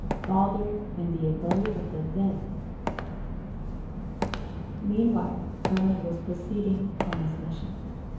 BALDUR IN THE ABODE OF THE DEAD 60. "Meanwhile, Hermod was proceeding on his mission.